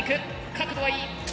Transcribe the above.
角度はいい。